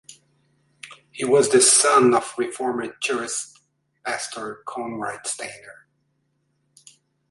He was the son of Reformed Church pastor Conrad Steiner.